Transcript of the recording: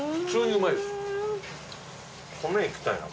米いきたいな。